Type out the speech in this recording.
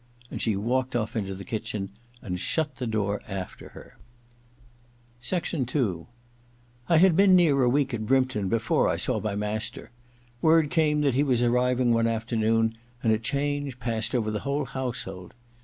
And she walked off into the kitchen and shut the door after her. II I HAD been near a week at Brympton before I saw my master. Word came that he was arriv ing one afternoon, and a change passed over the whole household.